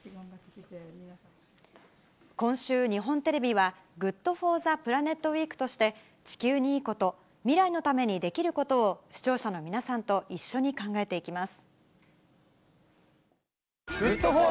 今週、日本テレビは、ＧｏｏｄＦｏｒｔｈｅＰｌａｎｅｔウィークとして、地球にいいこと、未来のためにできることを視聴者の皆さんと一緒に考えていきます。